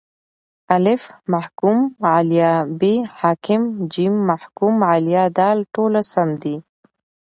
الف: محکوم علیه ب: حاکم ج: محکوم علیه د: ټوله سم دي